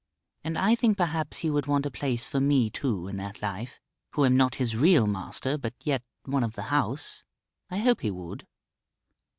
And I think perhaps he would want a place for me too in that life, who am not his real master but yet one of the house. I hope he would.